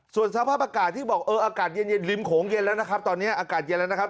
ส่วนสภาพอากาศที่บอกเอออากาศเย็นริมโขงเย็นแล้วนะครับตอนนี้อากาศเย็นแล้วนะครับ